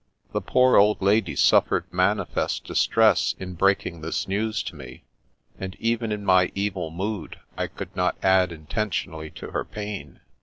The poor old lady suffered manifest distress in breaking this news to me, and even in my evil mood I could not add intentionally to her pain.